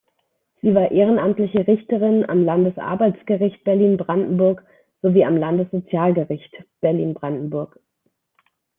Sie war ehrenamtliche Richterin am Landesarbeitsgericht Berlin-Brandenburg sowie am Landessozialgericht Berlin-Brandenburg.